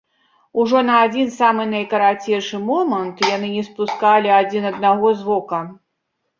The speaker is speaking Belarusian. Ужо на адзін самы найкарацейшы момант яны не спускалі адзін аднаго з вока.